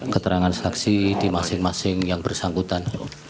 keterangan saksi di masing masing yang bersangkutan